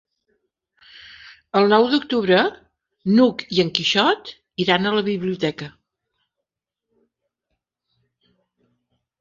El nou d'octubre n'Hug i en Quixot iran a la biblioteca.